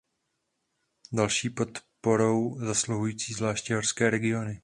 Další podporu zasluhují zvláště horské regiony.